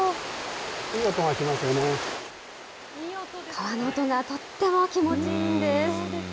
川の音がとっても気持ちいいんです。